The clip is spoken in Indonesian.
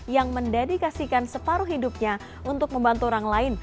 yang mendedikasikan separuh hidupnya untuk membantu orang lain